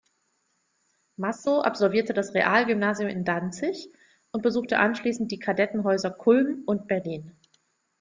Massow absolvierte das Realgymnasium in Danzig und besuchte anschließend die Kadettenhäuser Kulm und Berlin.